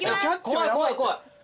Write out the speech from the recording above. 怖い怖い怖い。